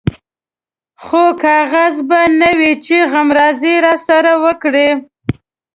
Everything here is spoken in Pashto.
خو کاغذ به نه و چې غمرازي راسره وکړي.